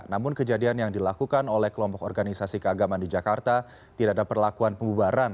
namun kejadian yang dilakukan oleh kelompok organisasi keagamaan di jakarta tidak ada perlakuan pembubaran